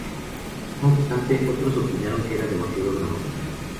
No obstante, otros opinaron que era demasiado dramática.